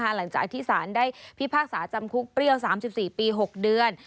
หลังจากที่สารได้พิพากษาจำคุกเปรี้ยว๓๔ปี๖เดือน